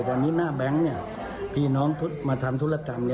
แต่อันนี้หน้าแบงค์เนี่ยพี่น้องมาทำธุรกรรมเนี่ย